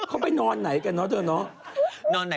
เขาไปนอนไหนกันเนอะเธอเนาะ